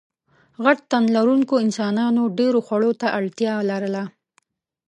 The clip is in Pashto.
غټ تنلرونکو انسانانو ډېرو خوړو ته اړتیا لرله.